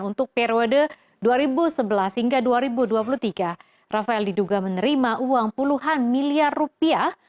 untuk periode dua ribu sebelas hingga dua ribu dua puluh tiga rafael diduga menerima uang puluhan miliar rupiah